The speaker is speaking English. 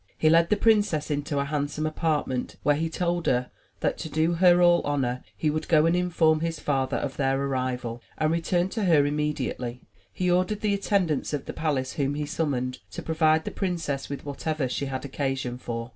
He led the princess into a handsome apartment where he told her that to do her all honor, he would go and inform his father of their arrival, and return to her immediately. He ordered the attendants of the palace whom he summoned to provide the princess with whatever she had occasion for.